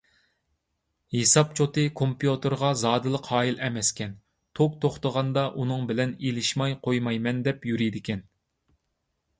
ھېساب چوتى كومپيۇتېرغا زادىلا قايىل ئەمەسكەن، توك توختىغاندا ئۇنىڭ بىلەن ئېلىشماي قويمايمەن دەپ يۈرىدىكەن.